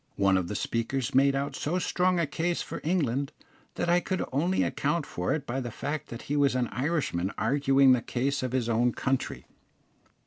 One of the speakers made out so strong a case for England, that I could only account for it by the fact that he was an Irishman arguing the case of his own country.